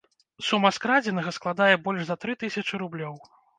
Сума скрадзенага складае больш за тры тысячы рублёў.